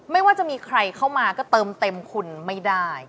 ไม่ว่าจะมีใครเข้ามาก็เติมเต็มคุณไม่ได้